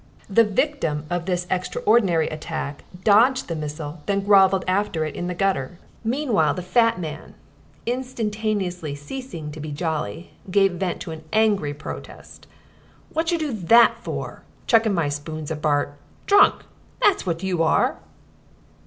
The victim of this extraordinary attack dodged the missile, then grovelled after it in the gutter. Meanwhile the fat man (instantaneously ceasing to be jolly) gave vent to an angry protest. "Wotcher do that for? Chuckin' my spoons abart! Drunk, that's wot you are!"